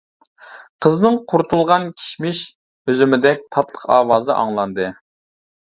قىزنىڭ قۇرۇتۇلغان كىشمىش ئۈزۈمدەك تاتلىق ئاۋازى ئاڭلاندى.